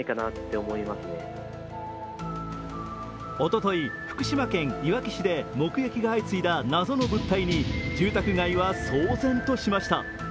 おととい、福島県いわき市で目撃が相次いだ謎の物体に、住宅街は騒然としました。